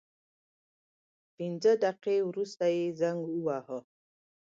پنځه دقیقې وروسته یې زنګ وواهه.